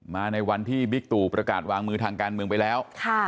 ในวันที่บิ๊กตู่ประกาศวางมือทางการเมืองไปแล้ว